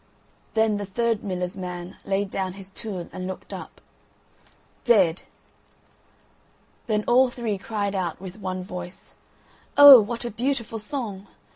Then the third miller's man laid down his tool and looked up, "Dead!" Then all three cried out with one voice: "Oh, what a beautiful song!